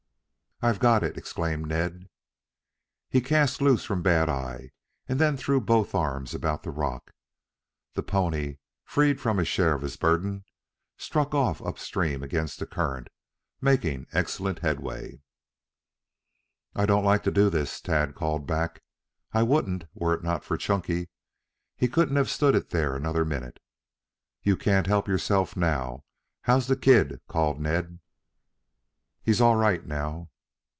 "I've got it," exclaimed Ned. He cast loose from Bad eye and threw both arms about the rock. The pony freed from a share of his burden, struck off up stream against the current, making excellent headway. "I don't like to do this," Tad called back. "I wouldn't, were it not for Chunky. He couldn't have stood it there another minute." "You can't help yourself now. How's the kid?" called Ned. "He's all right now."